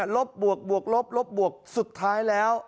บวกบวกลบลบบวกสุดท้ายแล้ว